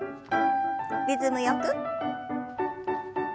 リズムよく。